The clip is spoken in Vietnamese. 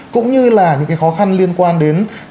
cũng như là những cái khó khăn liên quan đến